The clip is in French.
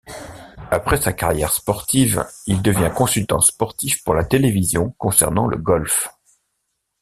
Après sa carrière sportive, il devient consultant sportif pour la télévision concernant le golf.